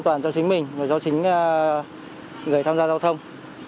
an toàn cho chính mình và cho chính người tham gia giao thông